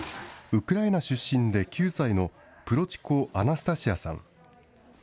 ウクライナ出身で９歳のプロチコ・アナスタシアさん。